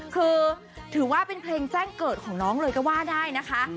คือถือว่าเป็นเพลงแจ้งเกิดของน้องเลยก็ว่าได้นะคะ